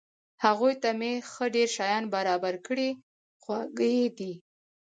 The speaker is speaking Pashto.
هغوی ته مې ښه ډېر شیان برابر کړي، خواږه یې دي.